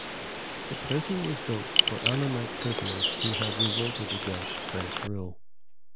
The prison was built for Annamite prisoners who had revolted against French rule.